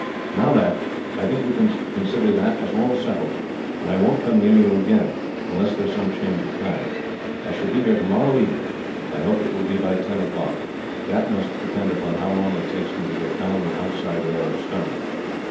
"Now, lad, I think we can consider that as all settled, and I won't come near you again, unless there is some change of plan. I shall be here tomorrow evening, I hope it will be by ten o'clock that must depend upon how long it takes me to get down the outside layer of stone.